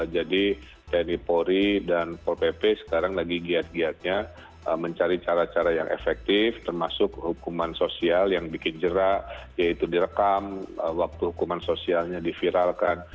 tni polri dan pol pp sekarang lagi giat giatnya mencari cara cara yang efektif termasuk hukuman sosial yang bikin jerak yaitu direkam waktu hukuman sosialnya diviralkan